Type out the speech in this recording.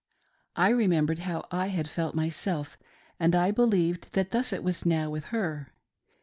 I remembered how I had felt myself, and I believed that thus it was now with her.